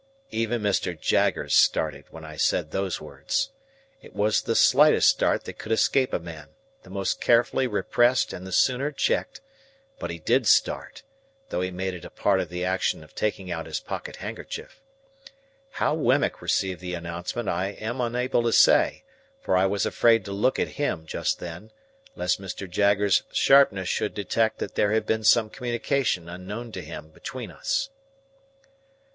Even Mr. Jaggers started when I said those words. It was the slightest start that could escape a man, the most carefully repressed and the sooner checked, but he did start, though he made it a part of the action of taking out his pocket handkerchief. How Wemmick received the announcement I am unable to say; for I was afraid to look at him just then, lest Mr. Jaggers's sharpness should detect that there had been some communication unknown to him between us.